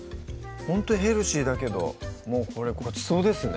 ほんとヘルシーだけどもうこれごちそうですね